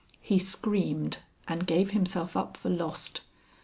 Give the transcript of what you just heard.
He screamed and gave himself up for lost.